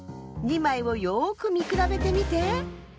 ２まいをよくみくらべてみて。